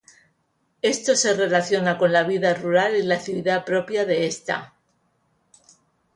Esto se relaciona con la vida rural y la actividad propia de esta.